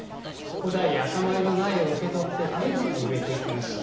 古代赤米の苗を受け取って、丁寧に植えていきました。